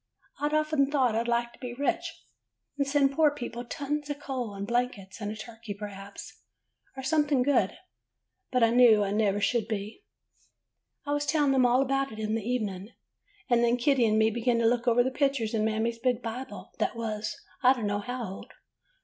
I 'd often thought I 'd like [ 54 ] HOW BEN FO UND SANTA CL A US to be rich and send poor people tons of coal, and blankets, and a turkey perhaps, or some thing good; but I knew I never should be. "I was telling them all about it in the even ing, and then Kitty and me began to look over the pictures in Mammy's big Bible, that was — I don't know how old.